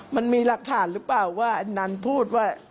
มันมีหลักฐานหรือเปล่าว่าอันนั้นพูดว่า